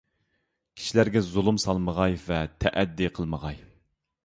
كىشىلەرگە زۇلۇم سالمىغاي ۋە تەئەددى قىلمىغاي.